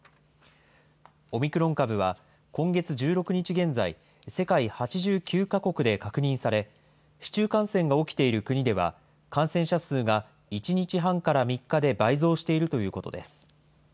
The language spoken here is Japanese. オミクロン株は、今月１６日現在、世界８９か国で確認され、市中感染が起きている国では、感染者数が１日半から３日で倍増しているということです。